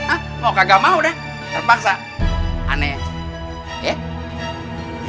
ah mau kagak mau deh terpaksa aneh